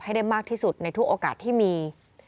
ให้ได้มากที่สุดในทุกโอกาสที่มี